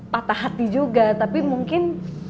patah hati juga tapi mungkin